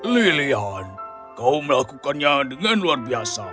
lilian kau melakukannya dengan luar biasa